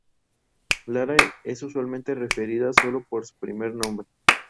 Lara es usualmente referida sólo por su primer nombre.